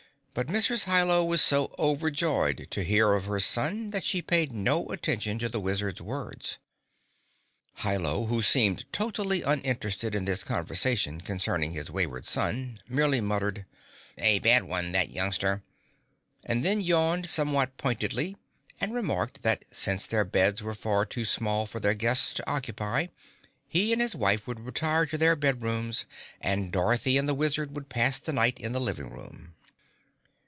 But Mrs. Hi Lo was so overjoyed to hear of her son that she paid no attention to the Wizard's words. Hi Lo, who seemed totally uninterested in this conversation concerning his wayward son, merely muttered, "A bad one, that youngster," and then yawned somewhat pointedly and remarked that since their beds were far too small for their guests to occupy, he and his wife would retire to their bedrooms and Dorothy and the Wizard could pass the night in the living room.